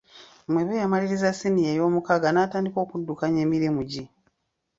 Mwebe yamaliriza ssiniya eyomukaaga n'atandika okuddukanya emirimu gye